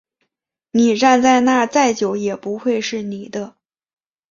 你站在那再久也不会是你的